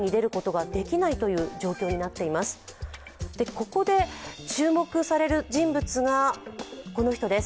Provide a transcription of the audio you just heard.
ここで注目される人物がこの人です。